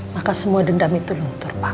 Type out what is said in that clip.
maka semua dendam itu luntur pak